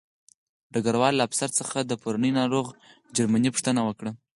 ډګروال له افسر څخه د پرونۍ ناروغ جرمني پوښتنه وکړه